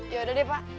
yaudah deh pak